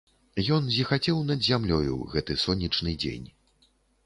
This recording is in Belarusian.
Ён зіхацеў над зямлёю, гэты сонечны дзень.